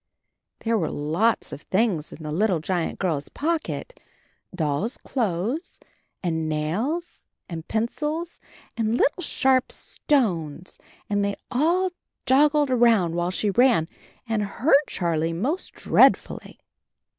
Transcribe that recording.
There were lots of things in the little giant girl's pocket — doll's clothes, and nails, and pencils, and little sharp stones, and they all joggled around while she ran, and hurt Charlie most dreadfully.